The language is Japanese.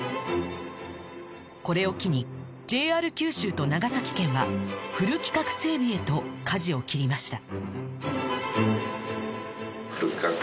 これを機に ＪＲ 九州と長崎県はフル規格整備へとかじを切りました